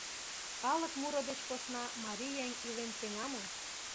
Калык муро деч посна марий еҥ илен сеҥа мо?